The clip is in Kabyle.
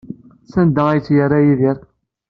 Sanda ay t-yerra Yidir?